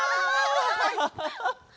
ハハハハハ。